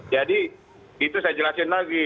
jadi itu saya jelasin lagi